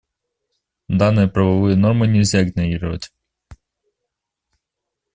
Данные правовые нормы нельзя игнорировать.